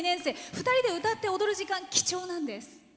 ２人で歌って踊る時間貴重なんです。